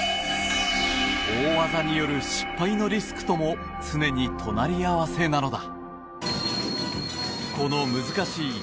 大技による失敗のリスクとも常に隣り合わせなのだ。